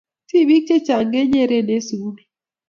Tibik chechang kenyeren en sukul